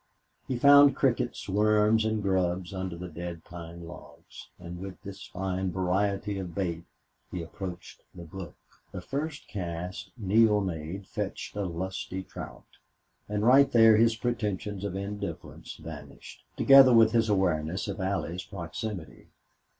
He found crickets, worms, and grubs under the dead pine logs, and with this fine variety of bait he approached the brook. The first cast Neale made fetched a lusty trout, and right there his pretensions of indifference vanished, together with his awareness of Allie's proximity.